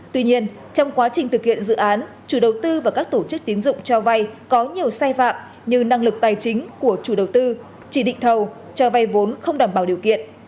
tuy nhiên trong quá trình thực hiện dự án chủ đầu tư và các tổ chức tín dụng cho vay có nhiều sai phạm như năng lực tài chính của chủ đầu tư chỉ định thầu cho vay vốn không đảm bảo điều kiện